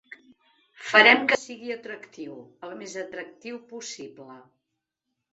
Farem que sigui atractiu, el més atractiu possible.